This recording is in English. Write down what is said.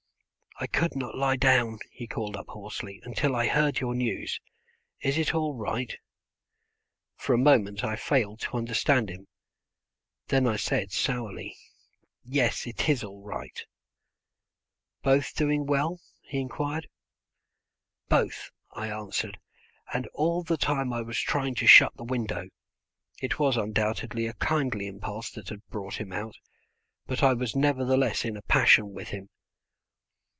"I could not lie down," he called up hoarsely, "until I heard your news. Is it all right?" For a moment I failed to understand him. Then I said sourly: "Yes, all is right." "Both doing well?" he inquired. "Both," I answered, and all the time I was trying to shut the window. It was undoubtedly a kindly impulse that had brought him out, but I was nevertheless in a passion with him.